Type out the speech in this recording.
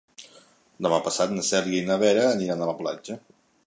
Demà passat na Cèlia i na Vera aniran a la platja.